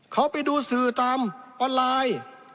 เขาไปดูสื่อตามออนไลน์